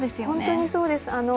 本当にそうです。